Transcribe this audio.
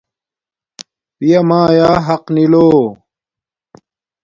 پیامایا حق نی لو